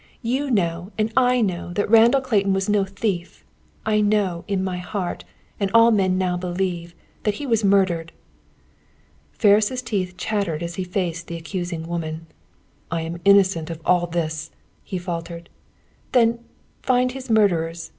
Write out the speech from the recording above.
You know and I know that Randall Clayton was no thief. I know, in my heart, and all men now believe, that he was murdered." Ferris' teeth chattered as he faced the accusing woman. "I am innocent of all this," he faltered. "Then, find his murderers!"